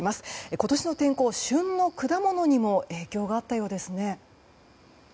今年の天候は旬の果物にも影響があったようですね。